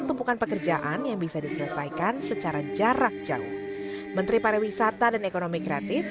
tumpukan pekerjaan yang bisa diselesaikan secara jarak jauh menteri pariwisata dan ekonomi kreatif